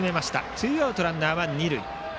ツーアウト、ランナーは二塁。